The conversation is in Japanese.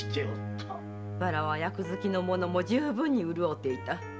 わらわ役付きの者も充分に潤うていた。